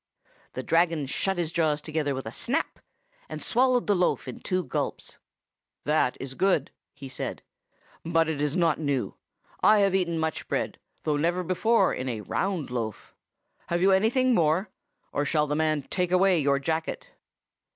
The Dragon shut his jaws together with a snap, and swallowed the loaf in two gulps. "'That is good,' he said; 'but it is not new. I have eaten much bread, though never before in a round loaf. Have you anything more? Or shall the man take away your jacket?